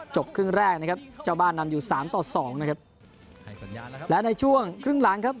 ครึ่งแรกนะครับเจ้าบ้านนำอยู่สามต่อสองนะครับและในช่วงครึ่งหลังครับ